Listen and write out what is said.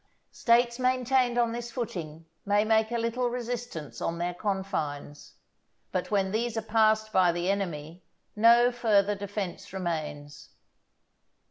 States maintained on this footing may make a little resistance on their confines; but when these are passed by the enemy no further defence remains.